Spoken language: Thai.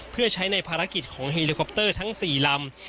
เพื่อใช้ในภารกิจของเฮลิคอปเตอร์ทั้ง๔ลำ